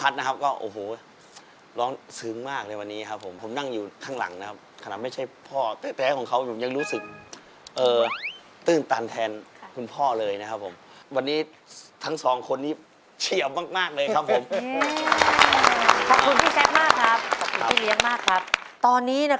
ใช่ใช่ใช่